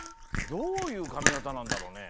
どういうかみがたなんだろうね。